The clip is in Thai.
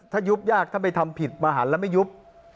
ถ้ายุบยากถ้าไม่ทำผิดมหันแล้วไม่ยุบ